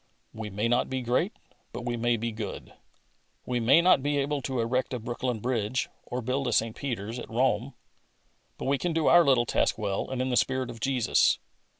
We may not be great, but we may be good. We may not be able to erect a Brooklyn bridge or build a St. Peter's, at Rome, but we can do our little task well and in the spirit of Jesus.